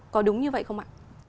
có đúng như vậy không ạ